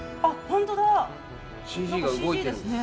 ＣＧが動いてるんですよ。